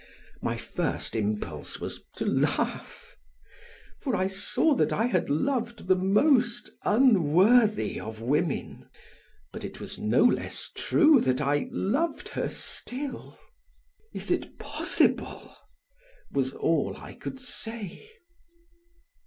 My first impulse was to laugh, for I saw that I had loved the most unworthy of women; but it was no less true that I loved her still. "Is it possible?" was all I could say.